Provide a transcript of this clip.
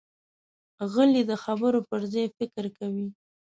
غلی، د خبرو پر ځای فکر کوي.